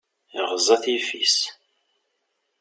Iɣeẓẓa-t yiffis.